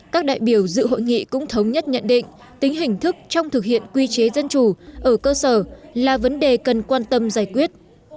các đại biểu dự hội nghị cũng thống nhất nhận định tính hình thức trong thực hiện quy chế dân chủ ở cơ sở là vấn đề cần quan tâm giải quyết